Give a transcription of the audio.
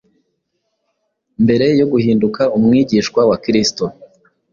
Mbere yo guhinduka umwigishwa wa Kristo,